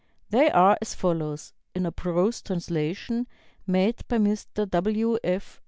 They are as follows (in a prose translation made by Mr. W. F.